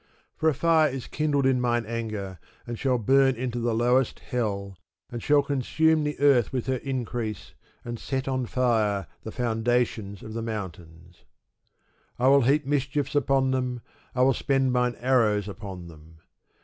For a fire is kindled in mine anger, and shall burn into the lowest hell, and shall consume the earth with her increase, and set on fire the foundations of the mountains. I will heap mischiefs upon them; I will spend mine arrows upon them.